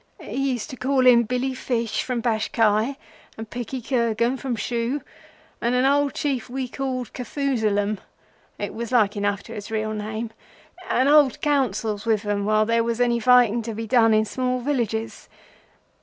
He used to call in Billy Fish from Bashkai, and Pikky Kergan from Shu, and an old Chief we called Kafuzelum—it was like enough to his real name—and hold councils with 'em when there was any fighting to be done in small villages.